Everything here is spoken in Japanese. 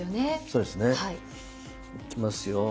そうですね。いきますよ。